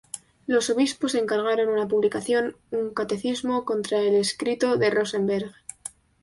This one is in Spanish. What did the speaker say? Los obispos encargaron una publicación, un catecismo, contra el escrito de Rosenberg.